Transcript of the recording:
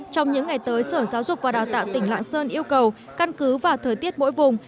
trong những ngày tới sở giáo dục và đào tạo tỉnh lạng sơn yêu cầu căn cứ vào thời tiết mỗi vùng